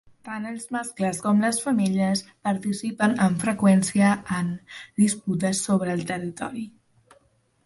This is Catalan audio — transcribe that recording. Tant els mascles com les femelles participen amb freqüència en disputes sobre el territori.